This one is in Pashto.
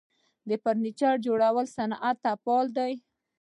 د فرنیچر جوړولو صنعت فعال دی